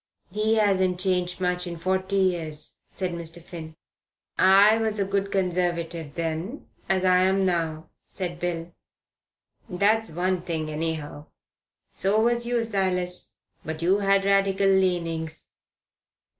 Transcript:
"He hasn't changed much in forty years," said Mr. Finn. "I was a good Conservative then, as I am now," said Bill. "That's one thing, anyhow. So was you, Silas. But you had Radical leanings."